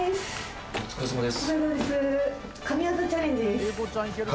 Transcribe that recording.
お疲れさまです